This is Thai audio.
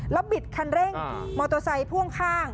แล้วบิดคันเร่งมอเตอร์ไซค์พ่วงข้าง